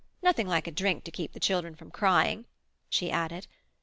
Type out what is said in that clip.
Nothing like a drink to keep children from crying," she added.